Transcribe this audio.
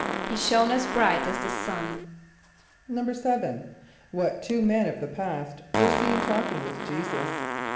=He shone as bright as the sun.= =7.= What two men of the past were seen talking with J[=e]´[s+]us?